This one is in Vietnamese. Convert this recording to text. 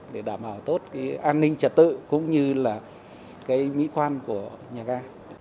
để đảm bảo tốt cái an ninh trật tự cũng như là cái mỹ khoan của nhà ca